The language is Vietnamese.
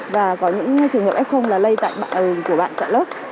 và có những trường hợp f là lây tại bạn của bạn tại lớp